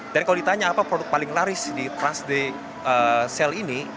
dan kalau ditanya apa produk paling laris di transmart sale ini